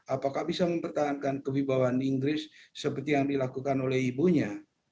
apakah bisa mempertahankan kewibawaan inggris seperti yang dilakukan oleh ibunya